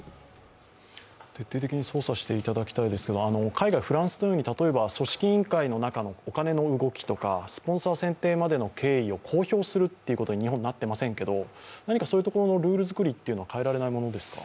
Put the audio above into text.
徹底的に捜査していただきたいですけれども、海外はフランスのように、例えば組織委員会の中のお金の動きとか、スポンサー選定までの経緯を公表するということに日本なっていませんけれども何かそういうところのルールづくりっていうものは変えられないものですか。